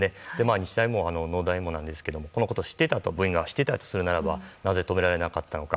日大も農大もこのことを部員が知っていたとするならばなぜ止められなかったのか。